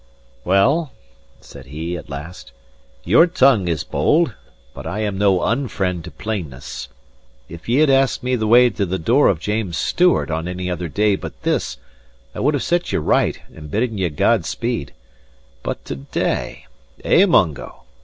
"Well," said he, at last, "your tongue is bold; but I am no unfriend to plainness. If ye had asked me the way to the door of James Stewart on any other day but this, I would have set ye right and bidden ye God speed. But to day eh, Mungo?"